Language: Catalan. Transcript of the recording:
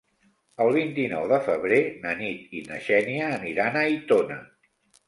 El vint-i-nou de febrer na Nit i na Xènia aniran a Aitona.